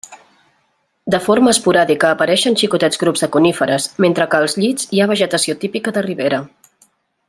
De forma esporàdica apareixen xicotets grups de coníferes, mentre que als llits hi ha vegetació típica de ribera.